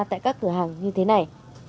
tại các cửa hàng như thế này